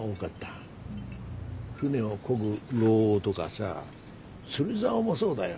船をこぐ櫓どがさ釣りざおもそうだよ。